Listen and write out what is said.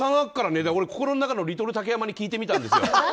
心の中のリトル竹山に聞いてみたんですよ。